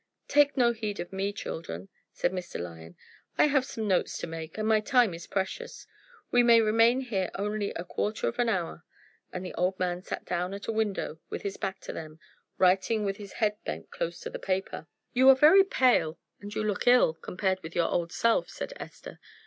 "Take no heed of me, children," said Mr. Lyon. "I have some notes to make, and my time is precious. We may remain here only a quarter of an hour." And the old man sat down at a window with his back to them, writing with his head bent close to the paper. "You are very pale; you look ill, compared with your old self," said Esther.